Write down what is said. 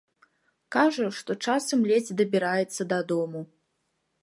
Кажа, што часам ледзь дабіраецца дадому.